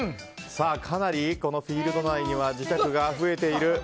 かなりフィールド内には磁石があふれている。